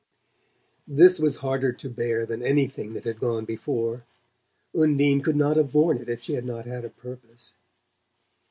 This was harder to bear than anything that had gone before: Undine could not have borne it if she had not had a purpose.